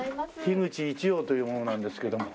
口一葉という者なんですけども。